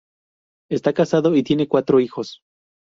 Está casado, y tiene cuatro hijos.